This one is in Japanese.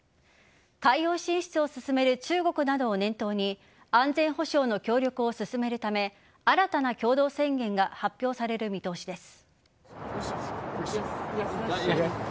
海洋進出を進める中国などを念頭に安全保障の協力を進めるため新たな共同宣言が発表される見通しです。